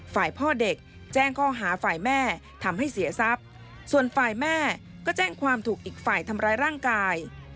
ฝ่ายพ่อเด็กแจ้งข้อหาฝ่ายแม่ทำให้เสียทรัพย์ส่วนฝ่ายแม่ก็แจ้งความถูกอีกฝ่ายทำร้ายร่างกาย